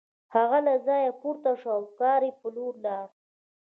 هغه له ځایه پورته شو او د کار په لور لاړ